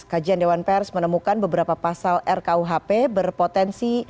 kajian dewan pers menemukan beberapa pasal rkuhp berpotensi